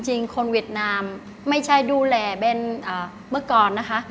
จริงคนเวียดนามไม่ใช่ดูแลเบนเมื่อก่อนนะคะ